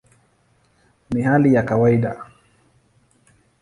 Ni hali ya kawaida".